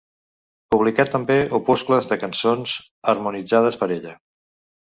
Publicà també opuscles de cançons harmonitzades per ella.